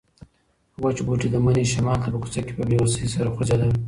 وچ بوټي د مني شمال ته په کوڅه کې په بې وسۍ سره خوځېدل.